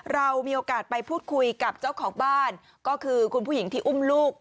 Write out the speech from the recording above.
เรามีโอกาสไปพูดคุยกับเจ้าของบ้านก็คือคุณผู้หญิงที่อุ้มลูก